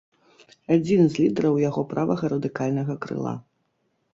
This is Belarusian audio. Адзін з лідараў яго правага радыкальнага крыла.